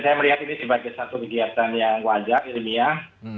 saya melihat ini sebagai satu kegiatan yang wajar ilmiah